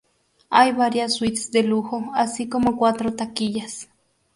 Hay varias suites de lujo, así como cuatro taquillas.